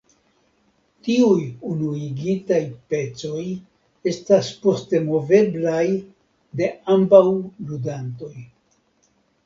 Tiuj unuigitaj pecoj estas poste moveblaj de ambaŭ ludantoj.